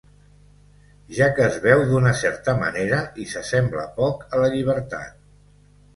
Ja que es veu d'una certa manera, i s'assembla poc a la llibertat.